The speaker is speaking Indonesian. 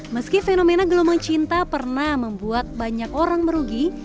meski fenomena gelombang cinta pernah membuat banyak orang merugi